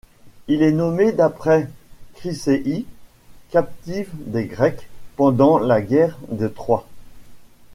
Il est nommé d'après Chryséis, captive des Grecs pendant la guerre de Troie.